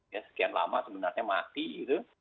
ya sekian lama sebenarnya mati gitu